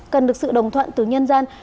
cần được sự đồng thuận từ nhân dân